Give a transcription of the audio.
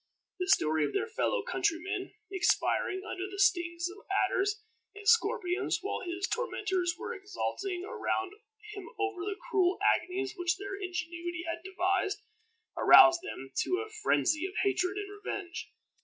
The story of their fellow countryman expiring under the stings of adders and scorpions, while his tormentors were exulting around him over the cruel agonies which their ingenuity had devised, aroused them to a phrensy of hatred and revenge.